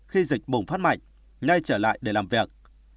khi dịch bùng phát mạnh ngay trở lại để làm việc